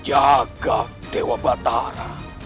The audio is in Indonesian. jaga dewa batara